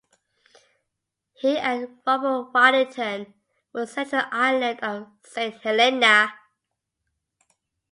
He and Robert Waddington were sent to the island of Saint Helena.